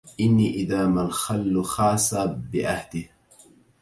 إني إذا ما الخل خاس بعهده